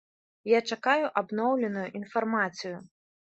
Я чакаю абноўленую інфармацыю.